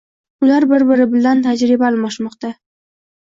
Ular bir-biri bilan tajriba almashmoqda.